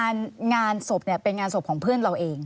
งานศพเนี่ยเป็นงานศพของเพื่อนเราเอง